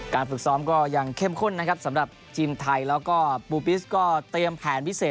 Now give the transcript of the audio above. ฝึกซ้อมก็ยังเข้มข้นนะครับสำหรับทีมไทยแล้วก็ปูปิสก็เตรียมแผนพิเศษ